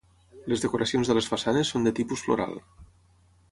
Les decoracions de les façanes són de tipus floral.